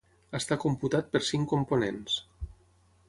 Està computat per cinc components.